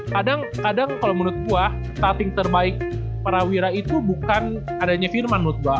kadang kadang kalau menurut gue starting terbaik prawira itu bukan adanya firman menurut gue